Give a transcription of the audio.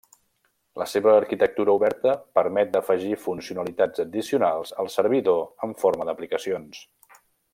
La seva arquitectura oberta permet d'afegir funcionalitats addicionals al servidor en forma d'aplicacions.